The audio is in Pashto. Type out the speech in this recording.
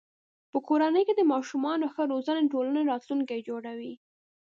په کورنۍ کې د ماشومانو ښه روزنه د ټولنې راتلونکی جوړوي.